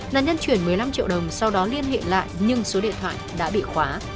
nạn nhân chuyển một mươi năm triệu đồng sau đó liên hệ lại nhưng số điện thoại đã bị khóa